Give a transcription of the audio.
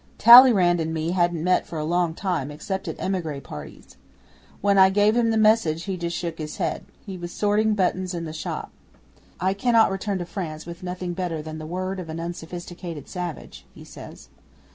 'Talleyrand and me hadn't met for a long time except at emigre parties. When I give him the message he just shook his head. He was sorting buttons in the shop. '"I cannot return to France with nothing better than the word of an unsophisticated savage," he says.